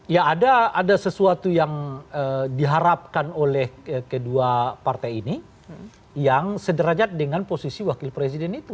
ya ada sesuatu yang diharapkan oleh kedua partai ini yang sederajat dengan posisi wakil presiden itu